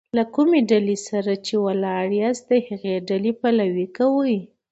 له کومي ډلي سره چي ولاړ یاست؛ د هغي ډلي پلوي کوئ!